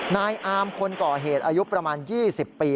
นายอามคนก่อเหตุอายุประมาณ๒๐ปี